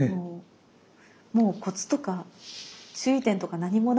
もうコツとか注意点とか何もないです。